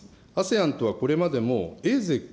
ＡＳＥＡＮとはこれまでもエイゼック